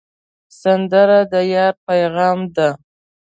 سندره د یار پیغام دی